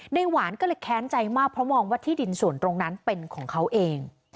หวานก็เลยแค้นใจมากเพราะมองว่าที่ดินส่วนตรงนั้นเป็นของเขาเอง